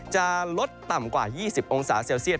จะลดต่ำกว่า๒๐องศาเซลเซียต